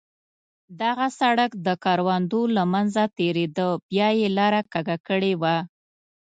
دغه سړک د کروندو له منځه تېرېده، بیا یې لاره کږه کړې وه.